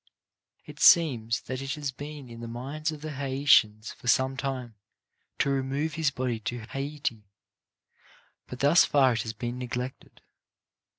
It seems that it has been in the minds of the Haitians for some time to remove his body to Haiti, but thus far it has been neglected.